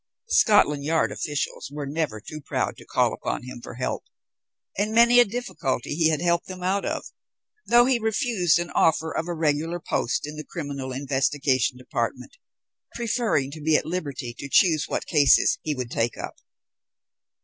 Scotland Yard officials were never too proud to call upon him for help, and many a difficulty he had helped them out of, though he refused an offer of a regular post in the Criminal Investigation Department, preferring to be at liberty to choose what cases he would take up.